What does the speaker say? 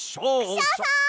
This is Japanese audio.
クシャさん！